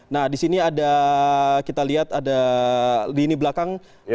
nah di sini ada kita lihat ada lini belakang